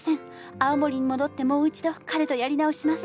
青森に戻ってもう一度彼とやり直します！